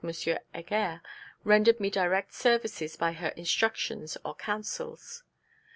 Heger, rendered me direct services by her instructions or counsels.